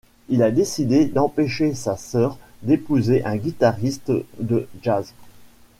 Il a décidé d'empêcher sa sœur d'épouser un guitariste de jazz.